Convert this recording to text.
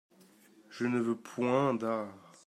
Je ne veux point d'art.